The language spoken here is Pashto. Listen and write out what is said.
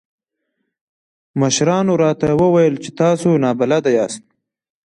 مشرانو راته وويل چې تاسې نابلده ياست.